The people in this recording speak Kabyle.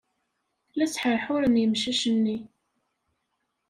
La sḥerḥuren yemcac-nni.